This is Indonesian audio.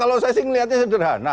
kalau saya sih melihatnya sederhana